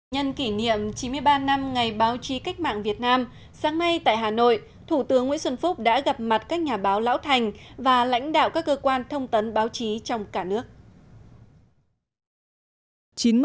nhân kỷ niệm chín mươi ba năm ngày báo chí cách mạng việt nam sáng nay tại hà nội thủ tướng nguyễn xuân phúc đã gặp mặt các nhà báo lão thành và lãnh đạo các cơ quan thông tấn báo chí trong cả nước